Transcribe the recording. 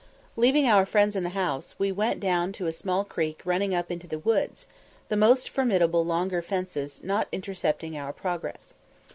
Leaving our friends in the house, we went down to a small creek running up into the woods, the most formidable "longer fences" not intercepting our progress.